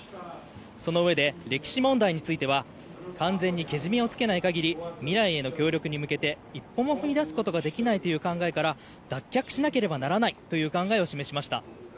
そのうえで、歴史問題については完全にけじめをつけない限り未来への協力に向けて一歩も踏み出すことができないという考えから脱却しなければならないという考えを示しました。